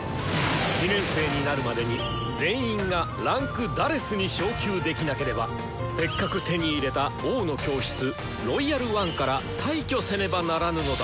２年生になるまでに全員が位階「４」に昇級できなければせっかく手に入れた「王の教室」「ロイヤル・ワン」から退去せねばならぬのだ！